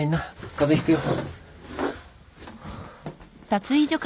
風邪ひくよ。